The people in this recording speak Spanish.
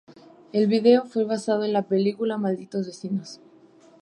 El video fue basado en la película Malditos Vecinos.